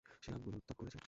সে আঙুল তাক করেছে!